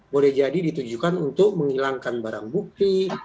boleh jadi ditujukan untuk menghilangkan barang bukti